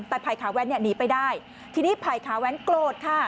แต่ภัยขาแว้นหนีไปได้ทีนี้ภัยขาแว้นโกรธค่ะ